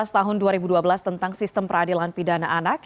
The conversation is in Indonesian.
dua belas tahun dua ribu dua belas tentang sistem peradilan pidana anak